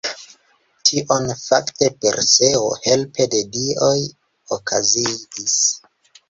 Tion fakte Perseo helpe de dioj okazigis.